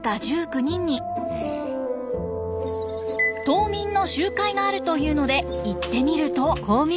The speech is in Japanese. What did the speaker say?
島民の集会があるというので行ってみると。